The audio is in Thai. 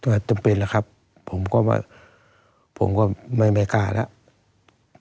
แต่จำเป็นล่ะครับผมก็ไม่มายกล้าแล้ว